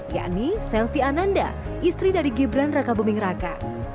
yakni selvi ananda istri dari gibran raka buming raka